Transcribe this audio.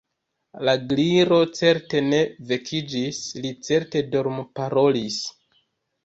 La Gliro certe ne vekiĝis, li certe dormparolis.